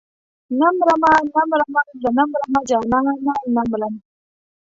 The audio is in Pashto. نه مرمه نه مرمه زه نه مرمه جانانه نه مرم.